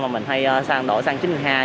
mà mình hay xăng đổ xăng chín mươi hai